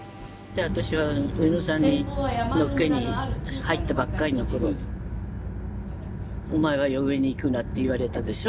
私は宇野さんにのっけに入ったばっかりの頃「おまえは嫁に行くな」って言われたでしょ。